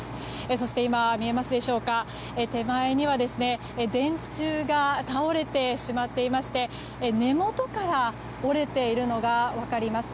そして今、手前には電柱が倒れてしまっていまして根元から折れているのが分かります。